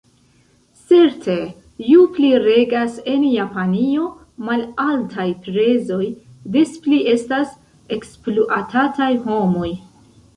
Certe: ju pli regas en Japanio malaltaj prezoj, des pli estas ekspluatataj homoj.